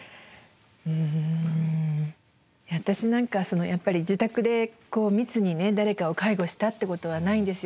うん私なんかはやっぱり自宅でこう密にね誰かを介護したってことはないんですよ。